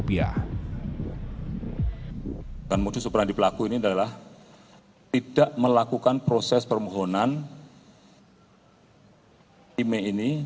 dan modus operandi pelaku ini adalah tidak melakukan proses permohonan email ini